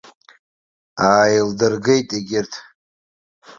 Ааилдыргеит егьырҭ.